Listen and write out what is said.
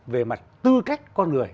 về mặt tư cách con người